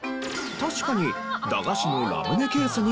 確かに。